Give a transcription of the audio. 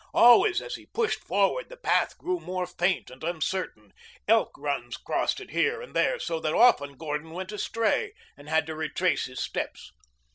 Always, as he pushed forward, the path grew more faint and uncertain. Elk runs crossed it here and there, so that often Gordon went astray and had to retrace his steps.